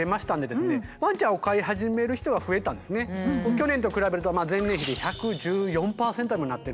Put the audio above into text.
去年と比べると前年比で１１４％にもなってるんですよね。